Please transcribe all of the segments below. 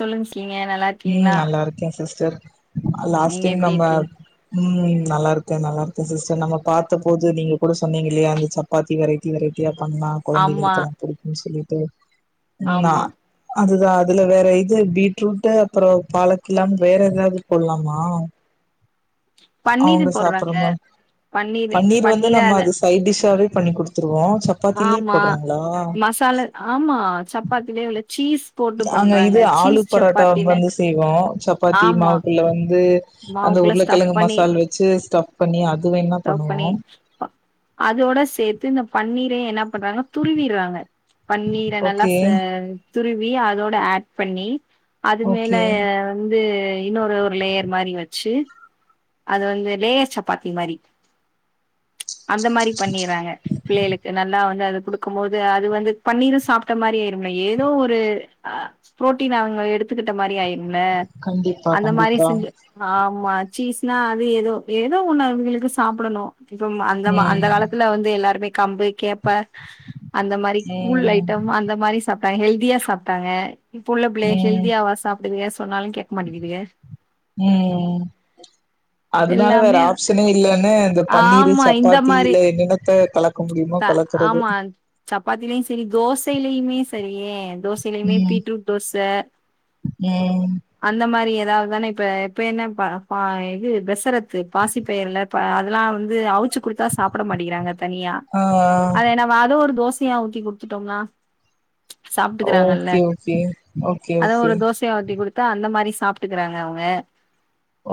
சொல்லுங்க சிலீங்க நல்லாருக் ம் நல்லாருக்கே சிஸ்டர் லாஸ்ட் நீங்க டைம் எப்டி நம்ம இருக்கீங் ம் நல்லாருக்கே நல்லாருக்கே சிஸ்டர் நம்ம பாத்த போது நீங்க கூட சொன்னீங்க இல்லையா அந்த பாத்தி வெரைட்டி வெரைட்டியா பண்ணா ஆமா கொழந்தைங்களுக்கெலா பிடிக்கும்ன் சொல்லிட்டு இன்னா ஆமா அதுதா அதுல வேற இது பீட்ரூட்டு அப்புறோ பழக்கிலாம் வேற எதாவ்து போட்லாமா பன்னீரு அவுங்க போடுறாங்க சாப்றமா பன்னீரு பன்னீர் வந்து பன்னீரா நம்ம அது சைட் டிஷ்ஷாவே பண்ணி் குடுத்துருவோ சப்பாத்திலியே ஆமா போடுறாங்ளா மசாலா ஆமா சப்பாத்திலேவுள சீஸ் போட்டு நாங்க பண்றாங்க இது ஆலூ சீஸ் பரோட்டா சப்பாத்தின்னு வந்து செய்வோ சப்பாத்தி ஆமா மாவ்க்குள்ள வந்து அந்த மாவுக்குள்ள ஸ்டஃப் உருளகிழங்கு மசால் வச்சு ஸ்டப் பண்ணி அதுவேணா ஸ்டவ் பண்ணி அதோட சேத்து இந்த பன்னீரயு என்ன பண்றாங்கனா துருவிறாங்க பன்னீர நல்லா ஓகே ச துருவி அதோட ஆட் பண்ணி அது மேல ஓகே வந்து இன்னொரு ஒரு லேயர் மாரி வச்சு அது வந்து லேயர் சப்பாத்தி மாரி அந்த மாதிரி பண்ணிறாங்க பிள்ளைகளுக்கு நல்லா வந்து அது குடுக்குமோது அது வந்து பன்னீரு சாப்ட்ட மாரி ஆய்ரும்ல ஏதோ ஒரு ஆ ப்ரோட்டீன் அவுங்க எடுத்துக்கிட்ட மாரி ஆய்ர்ம்ள கண்டிப்பா அந்த மாரி கண்டிப்பா செஞ்சு ஆமா சீஸ்னா அது ஏதோ ஏதோ ஒன்னு அவுங்களுக்கு சாப்டணு தும் அந்த மா அந்த ம் காலத்துல வந்து எல்லாருமே கம்பு கேப்ப அந்த மாரி கூழ் ம் ஐட்டம் அந்த மாரி சாப்ட்டாங்க ஹெல்த்தியா சாப்ட்டாங்க இப்ப உள்ள பிள்ளே ம் ஹெல்த்தியாவா சாப்பிடுதுக சொன்னாலு கேக் ம் அதுனால வேற எல்லாமே ஆப்ஷனே இல்லன்னு இந்த பன்னீரு ஆமா இந்த சப்பாத்தி மாரி இல்ல என்னன்னத்த கலக் கு முடிமோ கலக்குறது சப்பாத்திலியு செரி தோசயிலியுமே சரியே தோஸ் திலிமே ம் பீட்ரூட் தோச ம் அந்த மாரி ஏதாவ்துதான இப்ப இப்ப என்ன பா பா இது பெசரத்து பாசிப்பெயர்ல பா அதுலா வந்து அவுச்சு குடுத்தா சாப்புட மாடிகுறாங்க தனியா ஆ அது எனா பா அதூ ஒரு தோசியா ஊத்தி குடுத்துட்டோம்னா சாப்டுக்கிறாங்கல்ல ஓகே ஓகே ஓகே அத ஓகே ஒரு தோஸ் யா ஊத்தி குடுத்தா அந்த மாரி சாப்ட்டுகிறாங்க அவுங்க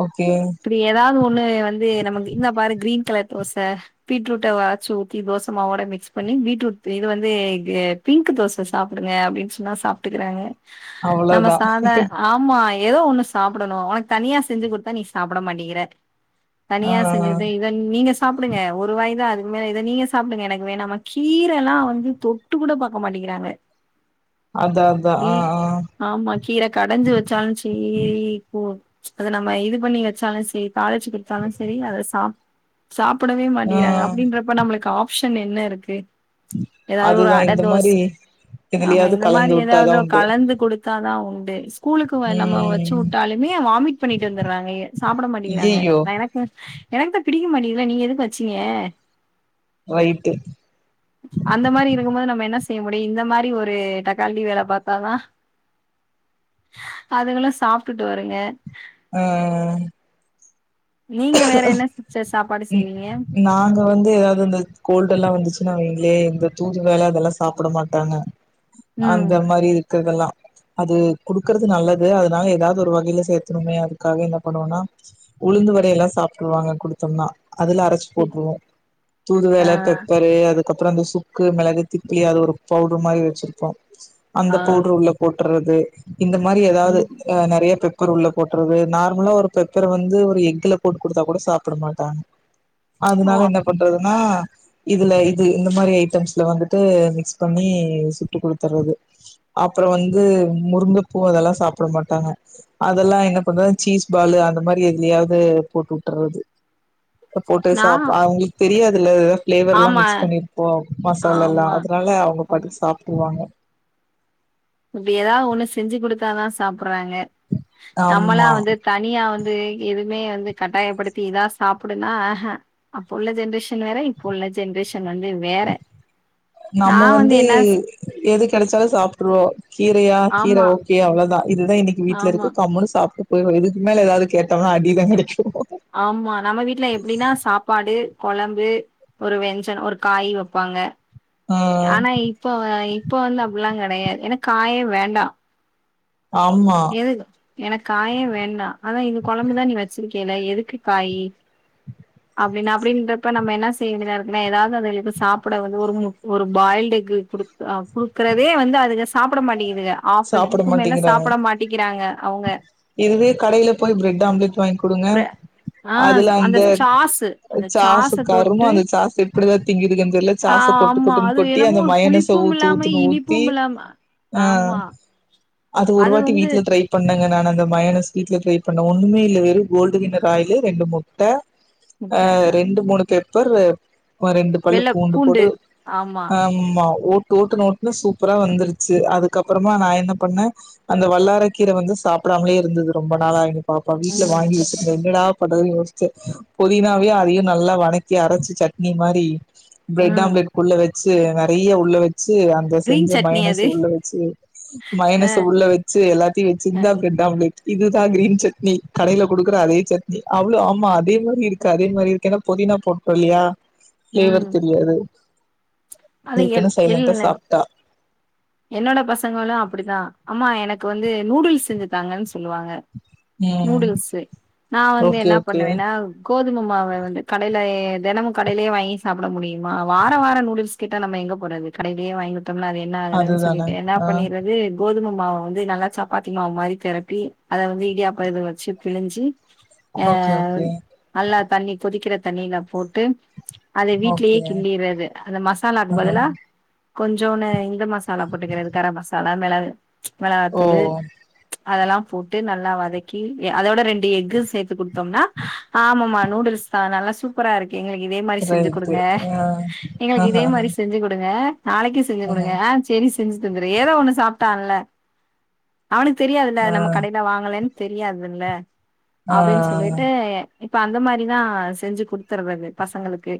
ஓகே இப்டி ஏதாது ஒன்னு வந்து நமக்கு இன்ன பாரு கிரீன் கலர் தோச பீட்ரூட்ட வ ச்சு ஊத்தி தோசைமாவோட மிக்ஸ் பண்ணி பீட்ரூட் இது வந்து இது பிங்க்கு தோச சாப்புடுங்க அப்டின் சொன்னா சாப் ட்டுகிறாங்க நம்ம அவ்ளோதா சாத ஆமா ஏதோ ஒன்னு சாப்டணு ஒனக் தனியா செஞ்சு குடுத்தா நீ சாப்புட மாட்டிங்கிற தனியா ஆ செஞ்சுகிட்டே இத நீங்க சாப்டுங்க ஒரு வாய்தா அது ம்ம இத நீங்க சாப்டுங்க எனக்கு வேணாமா கீரலா வந்து தொட்டு கூட பாக்க மாட்டேங்கிறாங்க அதா அதா கீ ஆ ஆ ஆமா கீர கடஞ்சு வச்சாலு சேரி போ அத நம்ம இது பண்ணி வச்சாலு சே தாளிச்சு குடுத்தாலு செரி அத சாப் சாப்புடவே ஆ மாட்டிகிறாங்க அப்டின்றப்ப நம்ளுக் ஆப்ஷன் என்ன இருக்கு எதாவ்து ஒரு அதுதா அட இந்த தோஸ் மாரி ஆமா எதுலயாவது இந்த கலந்து மாரி விட்டாதா எதாவ்தோ உண்டு கலந்து குடு க்காதா உண்டு கூலுக்கு நம்ம வச்சு ம் உட்டாலுமே வாமிட் பண்ணிட்டு வந்துறாங்கயே சாப்புட மாட்டிங்குறாங்க ஐயையோ நா எனக்கு எனக்கு தான் பிடிக்க மாட்டீங்குதுல நீங்க எதுக்கு வச்சீங்க ரைட்டு அந்த மாரி இருக்குமோது நம்ம என்ன செய்ய முடியு இந்த மாரி ஒரு டக்கால்ட்டி வேல பாத்தாதா அதுகலு சாப்டுட்டு வருங்க ஆ நீங்க வேற என்ன சிஸ்டர் சாப்பாடு ம் செய்வீங்க நாங்க வந்து எதாது அந்த கோல்டெல்லா வந்துச்சுனாங்ளே இந்த தூதுவெள அதெல்லா சாப்புட மாட்டாங்க ம் அந்த மாரி இருக்குறதெல்லா அது குடுக்கறது நல்லது அதனால ஏதாது ஒரு வகைல சேத்துனுமே அதுக்காக என்ன பண்ணுவோனா உளுந்து வ டையெல்லா சாப்ட்ருவாங்க குடுதம்னா அதுல அரச்சி சி போட்ருவோ ஆ தூதுவெள பெப்பரு அதுக் கப்பற அந்த சுக்கு மெளகு திப்ளி அது ஒரு பவுடர் மாரி வச்சிருப்போ அந்த ஆ பவுடர உள்ள போட்டர்றது இந்த மாரி ஏதாவது ம் அ நெறைய பெப் பர உள்ள போட்றது நார்மலா ஒரு பெப்பர வந்து ஒரு எக்குல போட்டு குடுத்தா கூட சாப்ட மாட்டாங் ஓ அதனால அப் என்ன பண்றதுனா இதுல இது இந்த மாரி ஐட்டம்ஸ்ல வந்துட்டு மிக்ஸ் பண்ணி சுட்டு குடுதர்றது அப்றோ வந்து முருங்கப்பூ அதெல்லா சாப்ட மாட்டாங்க அதெலா என்ன பண்றது சீஸ் பாலு அந்த மாரி எதுலியாவது போட்டுட்றது போட்டு நா சாப் அவுங்களுக் தெரியாதில்ல ஃப்லேவர்லா ஆமா மிக்ஸ் பண்ணிர்ப்போ மசாலெல்லா ஆமா அதனால அவுங்க ஆ பாட்டுக்கு சாப்ட்டுருவாங்க இப்டி ஏதாது ஒண்ணு செஞ்சி குடுத்தா தா சாப்பறாங்க நம்மலா ஆமா வந்து தனியா வந்து எதுமே வந்து கட்டாயப்படுத்தி இதா சாப்டுனா அ ஹா அப்ப உள்ள ஜென்ரேஷன் வேர இப்ப உள்ள ஜென்ரேஷ் ஷன் வந்து வேற நா வந்து என்ன எது கெடச்சாலு சாப்ட்ருவோ கீரையா கீர ஆமா ஓகே அவ்ளோதா இதுதா இன்னைக் வீட்ல ஆமா இருக்கு கம்னு சாப்ட்டு போயிர்வோ இதுக்கு மேல ஏதாது கேட்டம்னா அடிதா கெடைக்கு ஆமா நம்ம வீட்ல எப்டினா சாப்பாடு கொழம்பு ஒரு வெஞ்சன் ஒரு காய் வெப்பாங்க ஆ ஆனா இப்ப வ இப்ப வந்து அப்பிலா கெடையாது ஏனா காயே வேண்டா ஆமா எனக் காயே வேண்டா அதா இந்த கொழம்பு தா நீ வச்சிருக்கேல எதுக்கு காய் அப்டினா அப்டின்றப்ப நம்ம என்ன செய்ய வேண்டிதாருக்குனா ஏதாவது அதுகளுகு சாப்ட வந்து ஒரு முட் ஒரு பாயில்டு எக்கு குடுத் த அ குடுக்கறதே வந்து அதுக சாப்ட மாட்டகிதுக ஆப் சாப்ட எக்குக்கு மேல சாப் மாட்டேங்கிறாங்க மாட்டிகிறாங்க அவுங்க இதுவே கடையில போய் பிரட் ஆம்லெட் வாய்ங் குடுங்க பிர ஆ அதுல அந்த சாஸு அந்த சாசு சாஸ கருமோ தொட்டு அந்த சாசு எப்டிதா திங்கிதுங்கன் தெர்ல ஆ சாச கொட்டு ஆமா கொட்டுன் அது கொட்டி என்னமோ அந்த ஒரு மயனச புளிப்பும் ஊத்து இல்லாம ஊத்துனு ஊத்தி இனிப்பும் இல்லாம ஆ ஆமா அது ஒரு வாட்டி வீட்ல ட்ரைப் பண்ணங்க நானு அந்த மயனஸ் வீ்ட்ல ட்ரைப் பண்ணோ ஒண்ணுமே இல்ல வெறு கோல்டு வினர் ஆயிலு ரெண்டு முட்ட ஆ முட்ட அ ரெண்டு மூணு பெப்பர் ரெண்டு பல்லு பூண்டு போடு ஆமா ஆ ஆமா ஓட்டு ஓட்டுனு ஓட்டுன சூப்பரா வந்துர்ச்சி அதுகப்றமா நா என்ன பண்ண அந்த வல்லார கீர வந்து சாப்டாமலே இருந்தது ரொம்ப நாளா எங்க பாப்பா வீட்ல ம் வாங்கி வெச் என்னடா பன்றதுன் யோச்சி பொதினாவையு அதையு நல்லா வணக்கி அரச்சி சட்னி மாரி ஃப்ரெட் ம் ஆம்லெட் குள்ள வச்சி நெறைய உள்ள வச்சி அம் அப்ற செஞ்ச கிரீன் சட்னி மைனஸ் அது உள்ள வச்சி அ மைனஸ் உள்ள வச்சி எல்லாதையு வச்சிட் அ தா இருக் ட் ஆம்லெட் இதுதா கிரீன் சட்னி கடையில குடுக்குற அதே சட்னி அவ்ளோ ஆமா அதே மாரி இருக்க அதே மாரி இருக்கே ஏனா பொதினா போட்டோ இல்லியா ம் பிளேவர் தெரியாது அது இருக்குனு எல் சைலன்டா எல் சாப்டா என்னோட பசங்களு அப்டிதா அம்மா எனக்கு வந்து நூடுல்ஸ் செஞ்சி தாங்கன் சொல்லுவாங்க ம் நூடுல்ஸே நா வந்து ஓகே என்ன ஓகே பண்ணுவேனா கோதும மாவ வந்து கடையிலயை தினமும் கடையிலே வாங்கி சாப்ட முடியுமா வாரா வாரா நூடுல்ஸ் கேட்டா நம்ம எங்க போறது கடையிலேயே வாங்கி குத்தம்னா அது என்ன ஆகறதுன் அதுதானே சொல்லிட்டு என்னா ஆ பண்ணீறது கோதும மாவ வந்து நல்லா சப்பாத்தி மாவு மாரி தெரட்டி அத வந்து இடியாப்ப இதுல வச்சி பிழிஞ்சி அ ஓகே ஓகே நல்லா தண்ணி கொதிக்கிற தண்ணில போட்டு அத வீட்லயே ஓகே கிண்டிறது அந்த மசாலாகு ஆஹ பதிலா கொஞ்சோனு இந்த மசா சாலா போட்டுகிற கர மசாலா மெளகு மெளகா ஓ தூளு அதெல்லா போட்டு நல்லா வதக்கி அதோட ரெண்டு எக்கு சேர்த்து குடுத் தும்னா ஆமம்மா நூடுல்ஸ் தா நல்லா சூப்பரா இருக் எங்ளுக்கு இதே மாரி செஞ்ஜி ரைட்டு குடுங்க ஆ எங்ளுக்கு ஆஹஹ இதே மாரி செஞ்ஜி குடுங்க நாளைக்கி செஞ்ஜி ஆஹ குடுங்க ஆ சரி செஞ்ஜி தந்துர்றே ஏதோ ஒன்னு சாப்ட்டால அவனுக்கு தெரியாதுல்ல ஆ நம்ம கடையில வாங்கலன் தெரியாதுல்ல ஆ அப்டின் சொல்லிட்டு இப்ப அந்த மாரிதா செஞ்சு குடுத்துருறது பசங்களுக்கு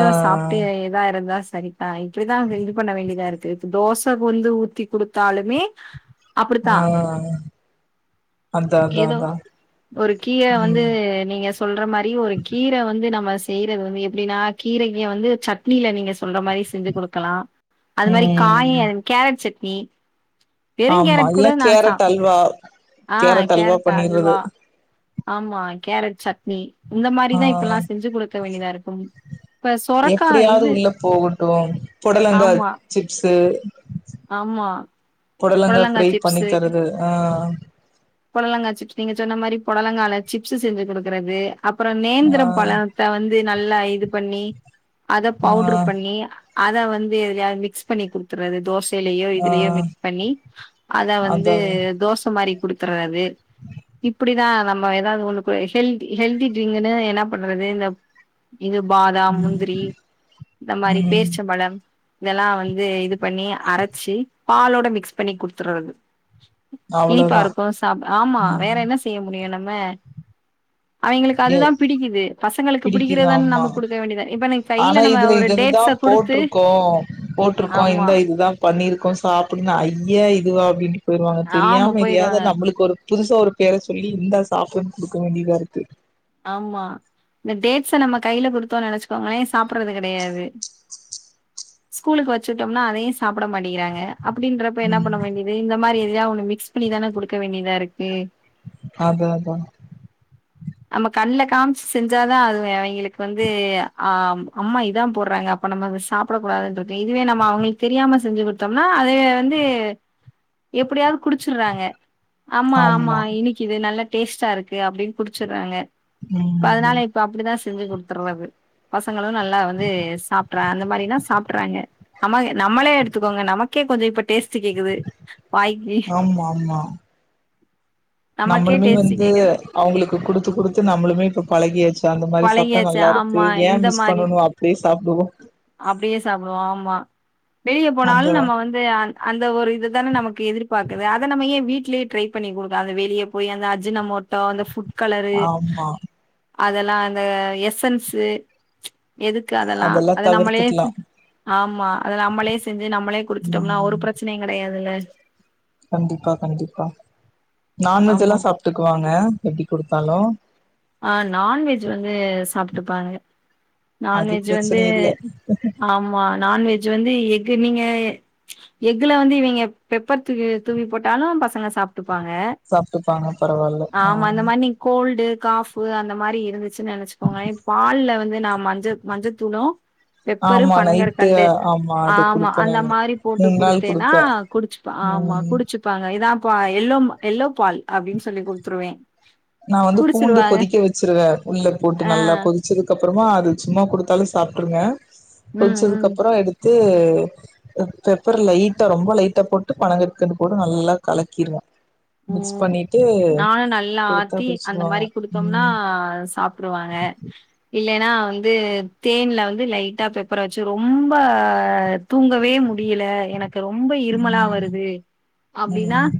ஆ சாப்ட்டு வேறதா சரிதா இப்படிதா இது பண்ண வேண்டியதாருக்கு தோசை வந்து ஊத்தி குடுத்தாலுமே ஆ அப்டித்தா அதா அதா ஏதோ அதா ஒரு கீர வந்து ம் நீங்க சொல்ற மாரி ஒரு கீர வந்து நம்ம செய்யறது வந்து எப்படின்னா கீரைக்கு வந்து சட் இட்டில நீங்க சொல்ற மாரி செஞ்சி குடுக்கலா அது மாரி காய ம் கேரட் சட்னி வெறு ஆமா கேரட் இல்ல கூட நா சாப் கேரட் அல்வா ஆ அல்வா கேரட் பண்ணிறது அல்வா ஆமா கேரட் சட்னி இந்த ஆ மாரிதா இப்பலாம் செஞ்ஜி குடுக்க வேண்டிதா இருக்கும் இப்ப சொரக்கா எப்டியாவது இது உள்ள போகட்டும் புடலங்கா ஆமா சிப்ஸு ஆமா புடலங்கா ஃப்ரை பண்ணி தரது ஆ பொலங்கா சிப்ஸ் நீங்க சொன்ன மாரி புடலங்கால சிப்ஸ் செஞ்ஜி குடுக்குறது அப்றம் நேந்தர ஆ பழத்த வந்து நல்லா இது பண்ணி அத ஆ பவுடர் பண்ணி அத வந்து எதுலயாது மிக்ஸ் பண்ணி குடுத்துறது தோச அதுலயோ ஆ இதுலயோ மிக்ஸ் பண்ணி அத வந்து அதா தோச மாரி குடுத்துர்றது இப்படிதா நம்ம எதாவது ஒன்னு ஹெல்தி ஹெல்தி ட்ரிங்க்ன்னு என்ன பண்றது இந்த இது பாதாம் ம் முந்திரி இந்த மாரி ம் பேர்ச்சம்பழம் இதெல்லாம் வந்து இது பண்ணி அரைச்சு பாலோட மிக்ஸ் பண்ணி குடுத்துட்றது அவ்ளோதா அ ஆமா வேற ம் என்ன செய்ய முடியு நம்ம அவிங்களுக்கு ஏ அதுதா பிடிக்குது பசங்களுக்கு பிடிக்குது பிடிக்கறதான ஆமா நம்ம குடுக்க வேண்டியதா இப்ப ஆனா கைல நம்ம இதுல ஒரு இது இதுதா டேட்ஸ குடுத்து போட்ருக்கோ போட்ருக்கோ ஆமா. இந்த இதுதா பண்ணிருக்கோ சாப்டு ன்னு ஐய இதுவா அப்படின்ட்டு போயிருவாங்க ஆமா தெரியாம போயிருவாங்க. எதயாவது நம்மளுக்கு ஒரு புதுசா ஒரு பேர சொல்லி இந்த சாப்டுன்னு குடுக்க வேண்டியதா இருக்கு ஆமா இந்த டேட்ஸ நம்ம கைல குடுத்தோ நெனைச்சுக்கோங்களேன் சாப்ட்றது கெடையாது ஸ்கூலுக்கு வச்சு உட்டோம்னா அதையு சாப்ட மாட்டக்கிறாங்க அப்படின்றப்ப என்ன பண்ண ம் வேண்டியது இந்த மாரி எதையாவது ஒன்னு மிக்ஸ் பண்ணிதான குடுக்க வேண்டியதா இருக்கு அது அதா நம்ம கண்ல காமிச்சு செஞ்சாதா அதுவு அவிங்களுக்கு வந்து அ அம்மா இதா போட்றாங்க அப்ப நம்ம வ சாப்ட கூடாதுன் சொல்ட்டு இதுவே நம்ம அவங்களுக்கு தெரியாம செஞ்சு குடுத்தோம்னா அதுவே வந்து எப்படியாவது குடிச்சிட்றாங்க ஆமா ஆமா இனனைக்கு இது நல்ல டேஸ்ட்டா இருக்கு அப்படின் குடிச்சறாங்க இப்ப ம் அதனால இப்ப இப்படிதா செஞ்சு குடுத்துர்றது பசங்களும் நல்லா வந்து சாப்ட்றா அந்த மாரிலா சாப்ட் றாங்க நம் நம்மளே எடுத்துக்கோங்க நம க்கே கொஞ்சோ இப்ப டேஸ்ட் கேக்குது வாய்க்கி ஆமா ஆமா நம்மளுமே வந்து அவங்களுக்கு கு டுத்து குடுத்து நம்மளுமே இப்ப பழகியாச்சு அந்த மாரி சாப்ட்டா பழகியாச்சு நல்லாருக்கு ஆமா. ஏன் மிஸ் பண்ணனு அப்படியே சாப்டுவோ அப்படியே சாப்டுவோ ஆமா வெளிய போனாலு அந்த நம்ம வந்து அந்த ஒரு இது தான நமக்கு எதிர்பாக்குது அதை நம்ம ஏன் வீட்லயே ட்ரை பண்ணி குடுக்கல அந்த வெளிய போய் அந்த அஜினமோட்டோ அந்த ஃபுட் கலரு ஆமா அதெல்லா இந்த எசன்ஸு எதுக்கு அதெல்லா அத நம்மளே ஆமா அத நம்மளே செஞ்சு நம்மளே குடுத்துட்டோம்னா ஒரு ம் பிரச்சனையு கிடையாதுல்ல கண்டிப்பா கண்டிப்பா ஆமா நான்வெஜ்ல்லா சாப்ட்டுக்குவாங்க எப்டி குடுத்தாலு ஆ நான்வெஜ் வந்து சாப்ட்டுப்பாங்க அது நான்வெஜ் வந்து பிரச்சன இல்ல ஆமா நான்வெஜ் வந்து எக்கு நீங்க எக்குல வந்து இவிங்க பெப்பர் து தூவி போட்டாலு பசங்க சாப்ட்டுப்பாங்க சாப்ட்டுப்பாங்க பரவால்ல ஆமா இந்த ஆ மாரி நீங்க கோல்டு காஃபு அந்த மாரி இருந்துச்சுன்னு நெனைச்சுக்கோங்களே பால்ல வந்து நா மஞ்ச மஞ்சத்தூளு பெப்பரு ஆமா நைட்டு பனங்கற்கண்டு அது ஆமா குடுப்பே அந்த நானு மாரி போட்டு மூண் நாள் குடுத்தேன்னா குடுப்பே குடிச்சு ஆமா ம் குடிச்சுப்பாங்க இதான்ப்ப எல்லோ எல்லோ பால் அப்டின் சொல்லி குடுத்துருவே நான் வந்து கூண்டு குடிச்சிருவாங்க கொதிக்க வச்சிருவே உள்ள போட்டு ஆ நல்லா கொதிச்சது அதுக் அப்றமா அது சும்மா குடுத்தாலு சாப்ட்ருங்க ம் ம் கொதிச்சதுக்குப்ற எடுத்து பெப்பர் லைட்டா ரொம்ப லைட்டா போட்டு பணங்கற்கண்டு போட்டு நல்லா கலக்கிருவே மிக்ஸ் ம் பண்ணிட்டு நானு நல்லா குடுத்தா ஆத்தி அந்த குடிச்சிருவாங்க மாரி குடுத்தோம்னா ம் சாப்ட்ருவாங்க இல்லைன்னா வந்து தேன்ல வந்து லைட்டா பெப்பரை வச்சு ரொம்ப தூங்கவே முடியல எனக்கு ரொம்ப இருமலா ம் வருது அப்படின்னா ம்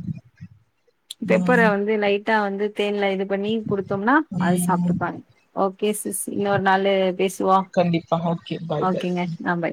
பெப்பர ம் வந்து லைட்டா வந்து தேன்ல இது பண்ணி குடுத்தோம்னா அது ம் சாப்டுப்பான் ஓகே சிஸ் இன்னொரு நாளு பேசுவோ கண்டிப்பா ஓகே பாய் பாய் ஓகேங்க ஆ பாய்